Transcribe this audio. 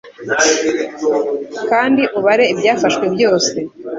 Kandi ubare ibyafashwe byose